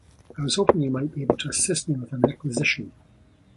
I was hoping you might be able to assist me with an acquisition.